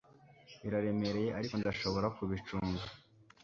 Biraremereye ariko ndashobora kubicunga